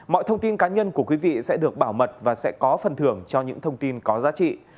mọi thông tin cá nhân của quý vị sẽ được bảo mật và sẽ có phần thưởng cho những thông tin có giá trị